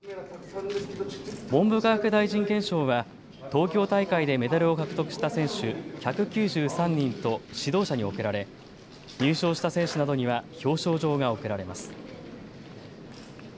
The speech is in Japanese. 文部科学大臣顕彰は東京大会でメダルを獲得した選手１９３人と指導者に贈られ入賞した選手などには表彰状が贈られます。